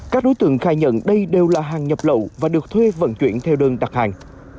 các đối tượng khai nhận đây đều là hàng nhập lậu và được thuê vận chuyển theo đơn đặt hàng